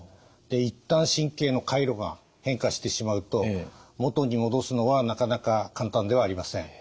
一旦神経の回路が変化してしまうともとに戻すのはなかなか簡単ではありません。